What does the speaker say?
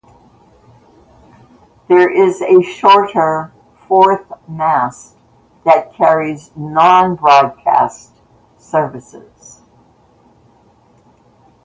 There is a shorter fourth mast that carries non broadcast services.